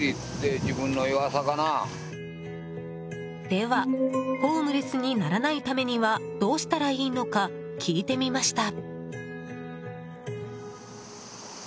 では、ホームレスにならないためにはどうしたらいいのか聞いてみました。